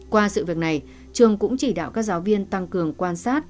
qua sự việc này trường cũng chỉ đạo các giáo viên tăng cường quan sát